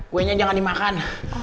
kuenya jangan dimakan